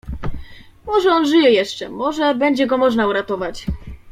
"Może on żyje jeszcze, może będzie go można uratować."